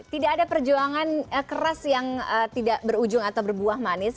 tidak ada perjuangan keras yang tidak berujung atau berbuah manis